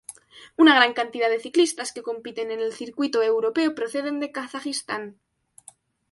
Una gran cantidad de ciclistas que compiten en el circuito europeo proceden de Kazajistán.